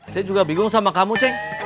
saya juga bingung sama kamu ceng